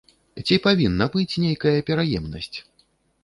Ці павінна быць нейкая пераемнасць?